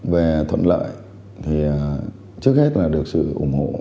về thuận lợi thì trước hết là được sự ủng hộ